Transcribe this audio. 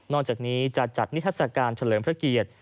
จากนี้จะจัดนิทัศกาลเฉลิมพระเกียรติ